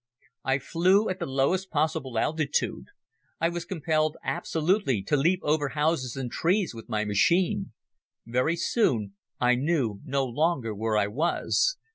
I flew at the lowest possible altitude. I was compelled absolutely to leap over houses and trees with my machine. Very soon I knew no longer where I was.